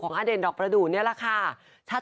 อเด่นดอกประดูกนี่แหละค่ะ